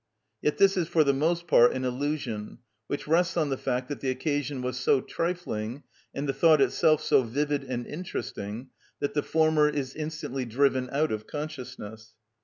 Yet this is for the most part an illusion, which rests on the fact that the occasion was so trifling and the thought itself so vivid and interesting, that the former is instantly driven out of consciousness.